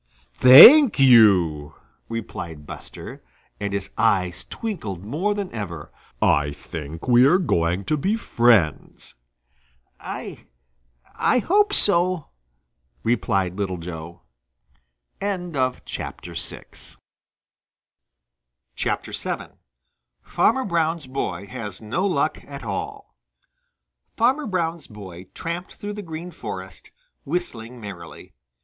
"Thank you," replied Buster, and his eyes twinkled more than ever. "I think we are going to be friends." "I I hope so," replied Little Joe. VII FARMER BROWN'S BOY HAS NO LUCK AT ALL Farmer Brown's boy tramped through the Green Forest, whistling merrily.